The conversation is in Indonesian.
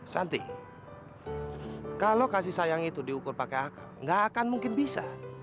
santi kalau kasih sayang itu diukur pakai akal nggak akan mungkin bisa